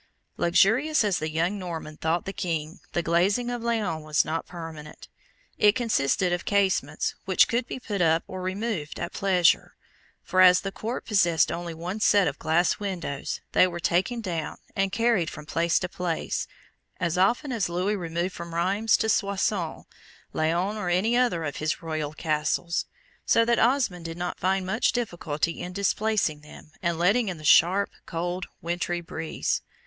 Luxurious as the young Norman thought the King, the glazing of Laon was not permanent. It consisted of casements, which could be put up or removed at pleasure; for, as the court possessed only one set of glass windows, they were taken down, and carried from place to place, as often as Louis removed from Rheims to Soissons, Laon, or any other of his royal castles; so that Osmond did not find much difficulty in displacing them, and letting in the sharp, cold, wintry breeze.